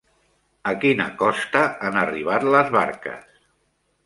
A quina costa han arribat les barques?